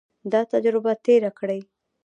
دا تجربه تېره کړي.